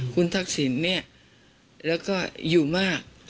คุณทักษิณเนี่ยแล้วก็อยู่มาก